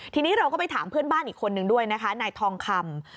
ทีนี้เราก็ไปถามเพื่อนบ้านอีกคนนึงด้วยนะคะนายทองคำ